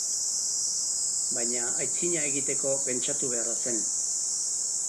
Baina aitzina egiteko pentsatu beharra zen.